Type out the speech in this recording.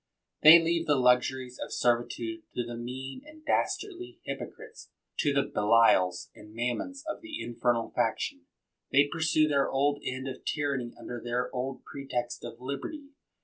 '* They leave the luxuries of servitude to the mean and dastardly hypocrites, to the Belials and Mammons of the infernal faction. They pursue their old end of tyranny under their old pretext of liberty.